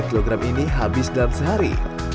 kilogram ini habis dalam sehari